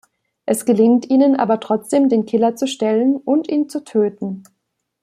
Es gelingt ihnen aber trotzdem, den Killer zu stellen und ihn zu töten.